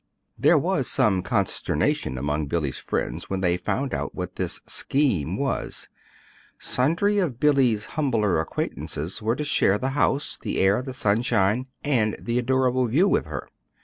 There was some consternation among Billy's friends when they found out what this "scheme" was: sundry of Billy's humbler acquaintances were to share the house, the air, the sunshine, and the adorable view with her.